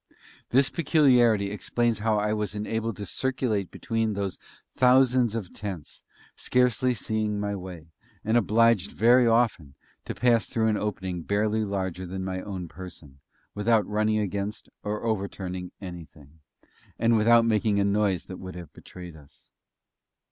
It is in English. This peculiarity explains how I was enabled to circulate between these thousands of tents, scarcely seeing my way, and obliged very often to pass through an opening barely larger than my own person, without running against, or overturning anything, and without making a noise that would have betrayed us.